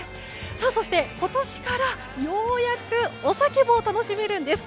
そして今年からようやくお酒も楽しめるんです。